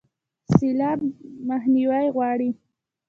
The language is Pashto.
سیلاب مخنیوی غواړي